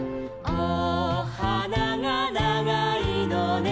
おはながながいのね」